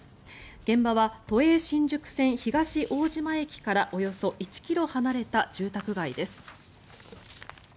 現場は都営新宿線東大島駅からおよそ１ｋｍ離れた住宅街です。